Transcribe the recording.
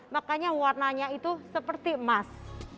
makanya warnanya itu seperti emas